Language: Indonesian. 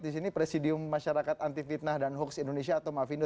di sini presidium masyarakat anti fitnah dan hoax indonesia atau mafindo